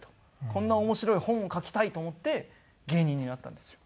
こんな面白い本を書きたいと思って芸人になったんですよ。